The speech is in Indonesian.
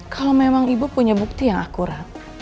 kalau memang ibu punya bukti yang akurat